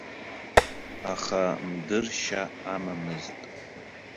Аха мдыршьа амамызт.